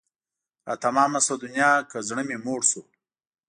را تمامه شوه دنیا که مې زړه موړ شو